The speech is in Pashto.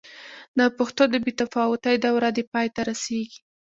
د پښتو د بې تفاوتۍ دوره دې پای ته رسېږي.